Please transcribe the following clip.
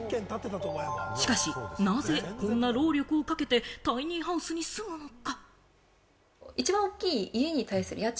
しかしなぜ、こんな労力をかけてタイニーハウスに住むのか？